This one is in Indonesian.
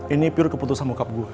ini pure keputusan bokap gue